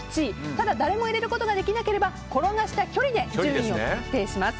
ただ誰も入れることができなければ転がした距離で順位を決定します。